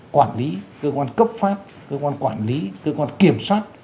quản lý cơ quan cấp pháp cơ quan quản lý cơ quan kiểm soát